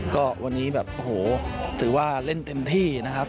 ก็วันนี้แบบโอ้โหถือว่าเล่นเต็มที่นะครับ